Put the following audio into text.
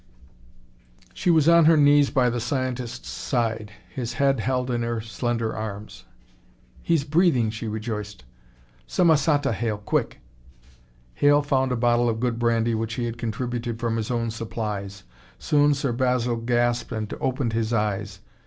She was on her knees by the scientist's side, his head held in her slender arms. "He's breathing!" she rejoiced. "Some masata, Hale, quick!" Hale found a bottle of good brandy which he had contributed from his own supplies. Soon Sir Basil gasped and opened his eyes.